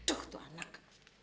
aduh tuh anak